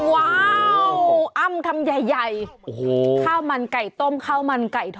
ว้าวอ้ำคำใหญ่